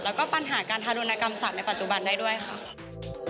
แล้วก็ปัญหาการทารุณกรรมสัตว์ในปัจจุบันได้ด้วยค่ะ